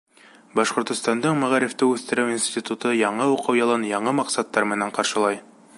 Башҡортостандың Мәғарифты үҫтереү институты яңы уҡыу йылын яңы маҡсаттар менән ҡаршылай.